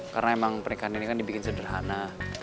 karena emang pernikahan ini kan dibikin sederhana